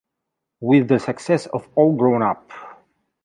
With the success of All Grown Up!